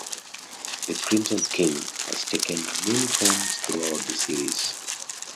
The Crimson King has taken many forms throughout the series.